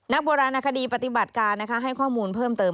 โบราณคดีปฏิบัติการให้ข้อมูลเพิ่มเติม